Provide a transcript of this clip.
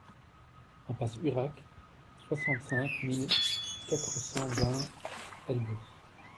Impasse Urac, soixante-cinq mille quatre cent vingt Ibos